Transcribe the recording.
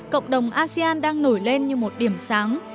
cộng đồng asean đang nổi lên như một điểm sáng